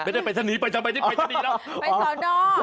ไปสนียังไงไปสนียังไงไปสนียังไง